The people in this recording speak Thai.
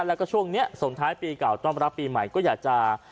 แล้วก็ช่วงนี้ส่งท้ายปีเก่าต้อนรับปีใหม่ก็อยากจะ